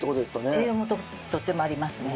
栄養もとてもありますね。